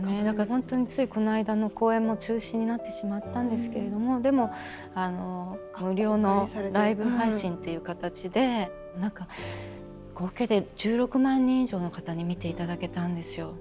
だから本当についこの間の公演も中止になってしまったんですけれどもでも無料のライブ配信っていう形で何か合計で１６万人以上の方に見ていただけたんですよ。